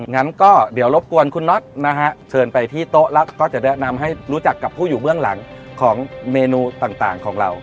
งั้นก็เดี๋ยวรบกวนคุณน็อตนะฮะเชิญไปที่โต๊ะแล้วก็จะแนะนำให้รู้จักกับผู้อยู่เบื้องหลังของเมนูต่างของเรา